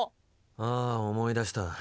ああ思い出した。